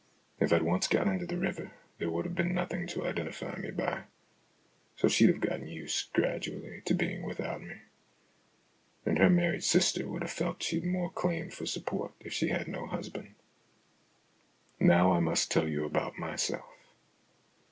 If I'd once got into the river, there would have been nothing to identify me by. So she'd have got used gradually to being without me. And her married sister would have felt she'd more claim for support if she had no husband." " Now I must tell you about myself."